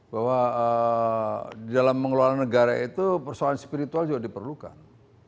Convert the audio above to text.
bahwa dalam mengelola negara itu persoalan spiritual juga diperlukan